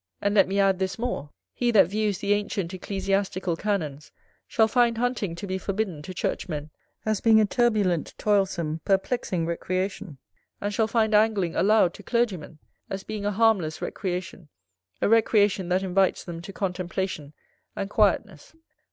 And let me add this more: he that views the ancient Ecclesiastical Canons, shall find hunting to be forbidden to Churchmen, as being a turbulent, toilsome, perplexing recreation; and shall find Angling allowed to clergymen, as being a harmless recreation, a recreation that invites them to contemplation and quietness.